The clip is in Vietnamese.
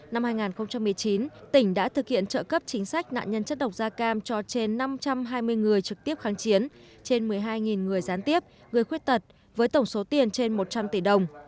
năm hai nghìn một mươi chín tỉnh đã thực hiện trợ cấp chính sách nạn nhân chất độc da cam cho trên năm trăm hai mươi người trực tiếp kháng chiến trên một mươi hai người gián tiếp người khuyết tật với tổng số tiền trên một trăm linh tỷ đồng